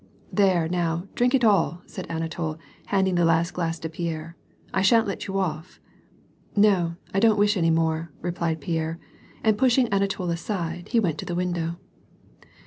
'^ There, now, drink it all," said Anatol, handing the last glass to Pierre, " I shan't let you off." " No, I don't wish any more," replied Pierre, and pushing Anatol aside, he went to the window.